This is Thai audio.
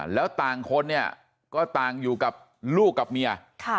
แล้วต่างคนเนี่ยก็ต่างอยู่กับลูกกับเมีย